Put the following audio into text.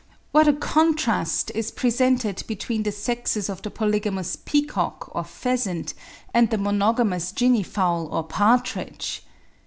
What a contrast is presented between the sexes of the polygamous peacock or pheasant, and the monogamous guinea fowl or partridge!